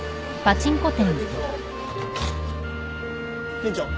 店長。